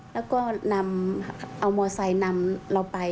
แล้วก็นำเอามอไซค์นำเราไป